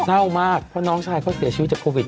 เศร้ามากเพราะน้องชายเขาเสียชีวิตจากโควิด